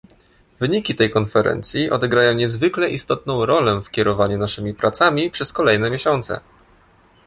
Wyniki tej konferencji odegrają niezwykle istotną rolę w kierowaniu naszymi pracami przez kolejne miesiące